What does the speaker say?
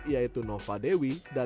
yaitu nova dewi dan mbak mbak